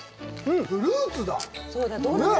フルーツだ